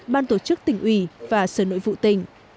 ban tổ chức tỉnh ủy và sở nội vụ tỉnh